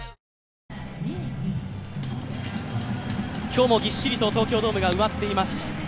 今日もぎっしりと東京ドームが埋まっています。